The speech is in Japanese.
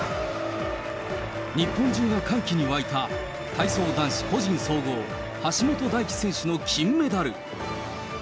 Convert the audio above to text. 日本中が歓喜に沸いた、体操男子個人総合、橋本大輝選手の金メダル。